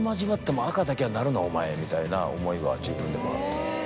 みたいな思いは自分でも。